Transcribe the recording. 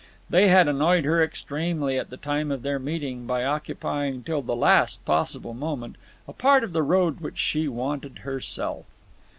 They had annoyed her extremely at the time of their meeting by occupying till the last possible moment a part of the road which she wanted herself.